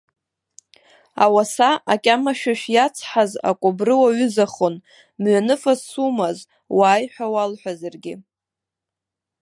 Ауаса акьамашәышә иацҳаз акәыбры уаҩызахон, мҩаныфас сумаз, уааи ҳәа уалҳәаӡаргьы.